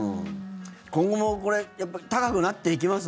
今後も高くなっていきます？